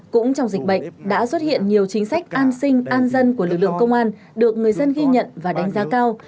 cũng trong dịch bệnh đã xuất hiện nhiều chính sách an sinh an dân của lực lượng công an được người dân ghi nhận và đánh giá cao